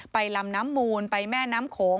ลำน้ำมูลไปแม่น้ำโขง